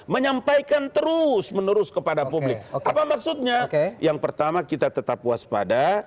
menyampaikan terus menerus kepada publik apa maksudnya oke yang pertama kita tetap puas pada